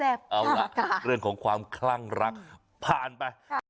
เอาล่ะเรื่องของความคลั่งรักผ่านไป